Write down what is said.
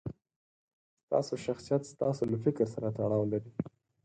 ستاسو شخصیت ستاسو له فکر سره تړاو لري.